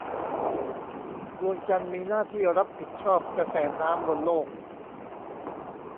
ดวงจันทร์มีหน้าที่รับผิดชอบกระแสน้ำบนโลก